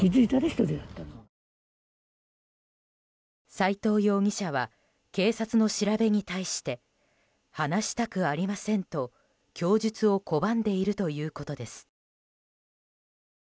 斎藤容疑者は警察の調べに対して話したくありませんと、供述を拒んでいるということです。